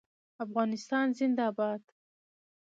افغانستان زنده باد.